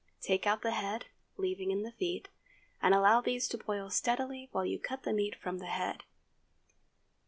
Take out the head, leaving in the feet, and allow these to boil steadily while you cut the meat from the head.